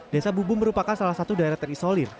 desa bubu merupakan salah satu daerah terisolir